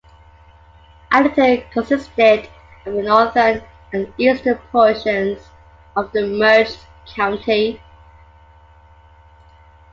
Addington consisted of the northern and eastern portions of the merged county.